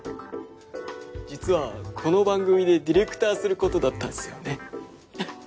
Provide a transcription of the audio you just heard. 実はこの番組でディレクターすることだったんですよねフフッ。